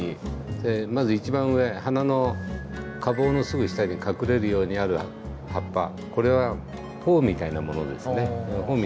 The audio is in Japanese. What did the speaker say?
まず一番上花の花房のすぐ下に隠れるようにある葉っぱこれは苞みたいなものですね。